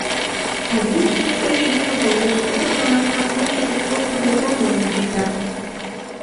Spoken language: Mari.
А вич ий гыч Юмо толеш, тудо мыланна ончыкыш волгыдо корным ончыкта.